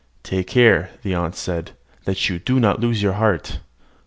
"Take care," added the aunt, "that you do not lose your heart."